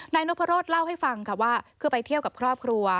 นพรสเล่าให้ฟังค่ะว่าคือไปเที่ยวกับครอบครัว